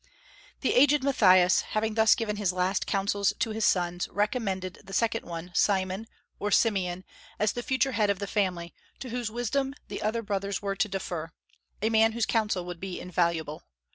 The aged Mattathias, having thus given his last counsels to his sons, recommended the second one, Simon, or Simeon, as the future head of the family, to whose wisdom the other brothers were to defer, a man whose counsel would be invaluable.